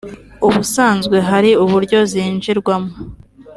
ubusanzwe hari uburyo zinjirwamo